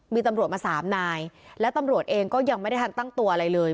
มีตำรวจมาสามนายและตำรวจเองก็ยังไม่ได้ทันตั้งตัวอะไรเลย